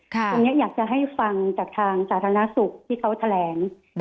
ตรงนี้อยากจะให้ฟังจากทางสาธารณสุขที่เขาแถลง